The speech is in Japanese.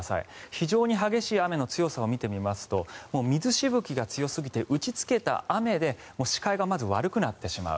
非常に激しい雨の強さを見てみますと水しぶきが強すぎて打ちつけた雨で視界がまず悪くなってしまう。